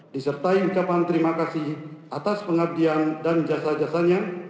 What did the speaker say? disertai ucapan terima kasih atas pengabdian dan jasa jasanya